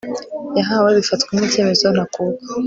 yahawe bifatwa nkicyemezo ntakuka